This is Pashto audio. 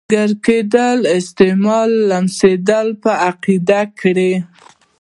ملګري کېدلو احتمال لمسډن په عقیده کړ.